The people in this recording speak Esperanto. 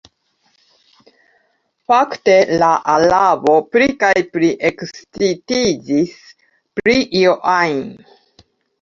Fakte la Arabo pli kaj pli ekscitiĝis pri io ajn.